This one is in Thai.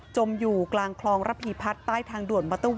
จมอยู่กลางคลองระพีพัฒน์ใต้ทางด่วน